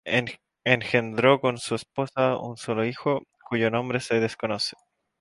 Engendró con su esposa un solo hijo, cuyo nombre se desconoce.